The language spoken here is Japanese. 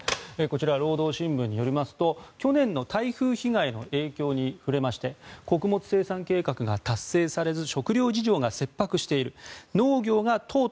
労働新聞によりますと去年の台風被害の影響に触れまして穀物生産計画が達成されず食糧事情が切迫していると。